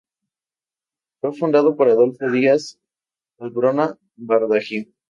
Fue fundado por Adolfo Díaz-Ambrona Bardají.